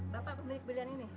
bapak pemilik belian ini